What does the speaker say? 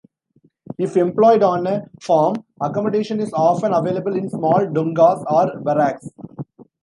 If employed on a farm, accommodation is often available in small 'dongas' or barracks.